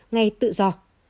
ngay tự do